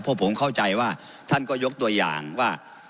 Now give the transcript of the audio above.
เพราะผมเข้าใจว่าท่านก็ยกตัวอย่างว่า